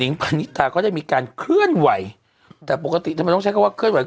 พันนิตาก็ได้มีการเคลื่อนไหวแต่ปกติทำไมต้องใช้คำว่าเคลื่อนไห